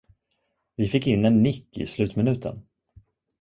Vi fick in en nick i slutminuten.